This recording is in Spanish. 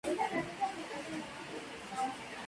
Estaba casado con Elvira Zaldívar Reyes.